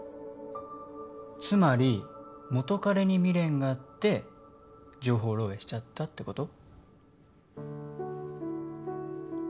つまり元カレに未練があって情報漏えいしちゃったってこと？